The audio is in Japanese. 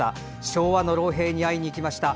昭和の老兵に会いに行きました。